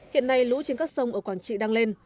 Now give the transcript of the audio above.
hiện nay lũ trên các sông ở quảng trị đang lên